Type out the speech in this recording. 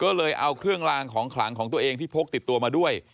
ก็เลยเอาเครื่องลางของขลังของตัวเองที่พกติดตัวมาด้วย